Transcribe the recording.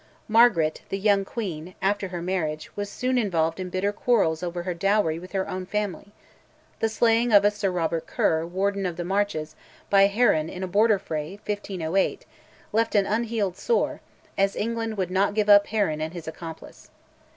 Margaret, the young queen, after her marriage, was soon involved in bitter quarrels over her dowry with her own family; the slaying of a Sir Robert Ker, Warden of the Marches, by a Heron in a Border fray (1508), left an unhealed sore, as England would not give up Heron and his accomplice.